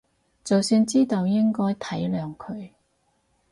就算知道應該體諒佢